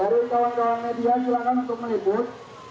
dari kawan kawan media silakan untuk meliput